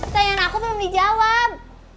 tanyain aku belum dijawab